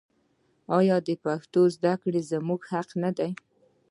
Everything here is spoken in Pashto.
آیا د پښتو زده کړه زموږ حق نه دی؟